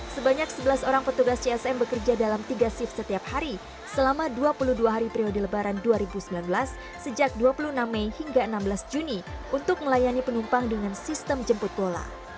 sebanyak sebelas orang petugas csm bekerja dalam tiga shift setiap hari selama dua puluh dua hari priode lebaran dua ribu sembilan belas sejak dua puluh enam mei hingga enam belas juni untuk melayani penumpang dengan sistem jemput bola